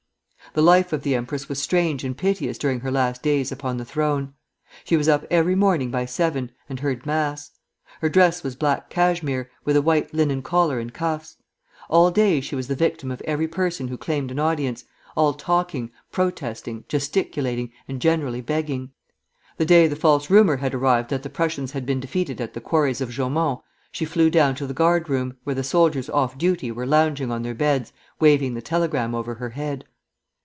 The life of the empress was strange and piteous during her last days upon the throne. She was up every morning by seven, and heard mass. Her dress was black cashmere, with a white linen collar and cuffs. All day she was the victim of every person who claimed an audience, all talking, protesting, gesticulating, and generally begging. The day the false rumor arrived that the Prussians had been defeated at the Quarries of Jaumont she flew down to the guard room, where the soldiers off duty were lounging on their beds, waving the telegram over her head.